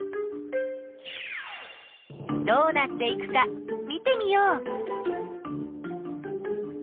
どうなっていくか見てみよう。